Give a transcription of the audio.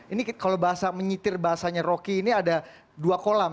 ini kalau bahasa menyitir bahasanya rocky ini ada dua kolam